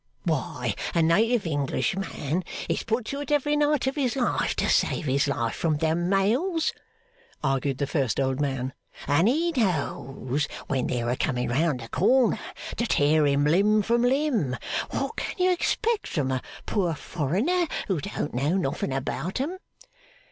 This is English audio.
'Why, a native Englishman is put to it every night of his life, to save his life from them Mails,' argued the first old man; 'and he knows when they're a coming round the corner, to tear him limb from limb. What can you expect from a poor foreigner who don't know nothing about 'em!